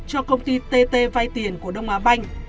cho công ty tt vay tiền của đông á banh